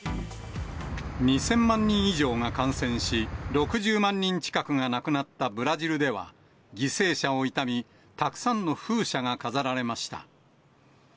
２０００万人以上が感染し、６０万人近くが亡くなったブラジルでは、犠牲者を悼み、たくさんの風車が飾られました。